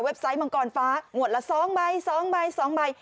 ไซต์มังกรฟ้างวดละ๒ใบ๒ใบ๒ใบ